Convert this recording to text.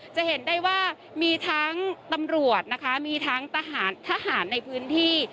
จะเห็นได้ว่ามีทั้งตำรวจนะคะมีทั้งทหารทหารในพื้นที่